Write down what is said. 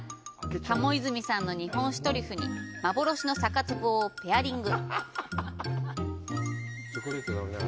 賀茂泉さんの日本酒トリュフに「幻の酒壺」をペアリング。